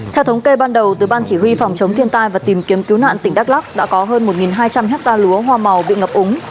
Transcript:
theo thống kê ban đầu từ ban chỉ huy phòng chống thiên tai và tìm kiếm cứu nạn tỉnh đắk lắc đã có hơn một hai trăm linh hectare lúa hoa màu bị ngập úng